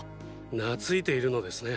なついているのですね。